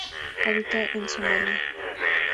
Habita en Somalia.